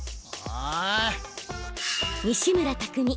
西村拓味。